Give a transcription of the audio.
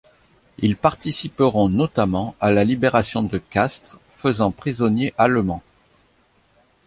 Ils participeront notamment à la libération de Castres, faisant prisonniers allemands.